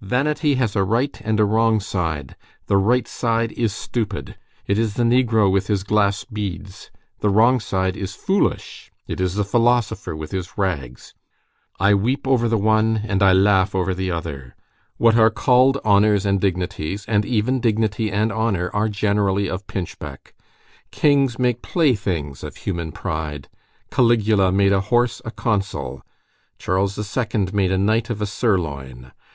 Vanity has a right and a wrong side; the right side is stupid, it is the negro with his glass beads; the wrong side is foolish, it is the philosopher with his rags. I weep over the one and I laugh over the other. What are called honors and dignities, and even dignity and honor, are generally of pinchbeck. Kings make playthings of human pride. Caligula made a horse a consul; Charles II. made a knight of a sirloin.